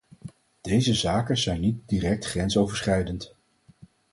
Deze zaken zijn niet direct grensoverschrijdend.